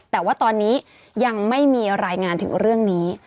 แต่ว่าตอนนี้ยังไม่มีรายงานถึงเรื่องนี้